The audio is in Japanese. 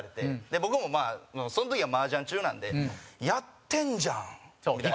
僕も、まあその時は麻雀中なんで「やってんじゃん」みたいな。